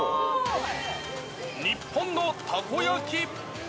日本のたこ焼き。